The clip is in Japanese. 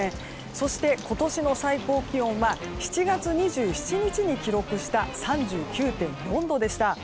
そして今年の最高気温は７月２７日に記録した３９．４度でした。